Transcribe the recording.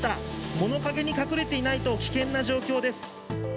物陰に隠れていないと危険な状況です。